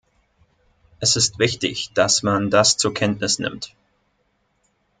Es ist wichtig, dass man das zur Kenntnis nimmt.